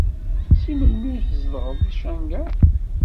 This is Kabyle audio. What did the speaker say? Seg melmi ay tzedɣed deg Shanghai?